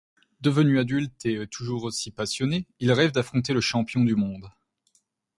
Devenu adulte et toujours aussi passionné, il rêve d'affronter le champion du monde.